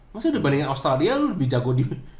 maksudnya dibandingin australia lo lebih jago di